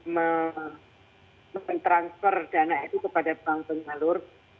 mentransfer dana itu kepada bank penyalur